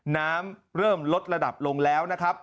น้ำเริ่มลดระดับลงแล้วนะครับ